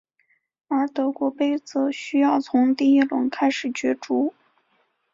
而德国杯则需要从第一轮开始角逐。